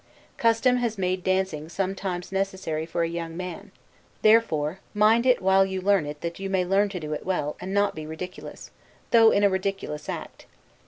Custom has made dancing sometimes necessary for a young man; therefore mind it while you learn it that you may learn to do it well, and not be ridiculous, though in a ridiculous act.